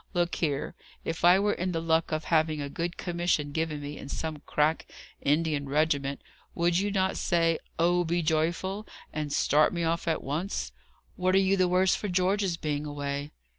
Look here! If I were in the luck of having a good commission given me in some crack Indian regiment, would you not say, 'Oh be joyful,' and start me off at once? What are you the worse for George's being away?